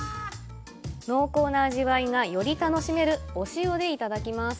濃厚な味わいがより楽しめるお塩でいただきます。